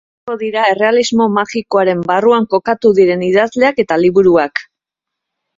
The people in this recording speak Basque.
Asko dira errealismo magikoaren barruan kokatu diren idazleak eta liburuak.